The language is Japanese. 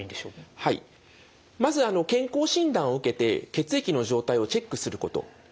まず健康診断を受けて血液の状態をチェックすること。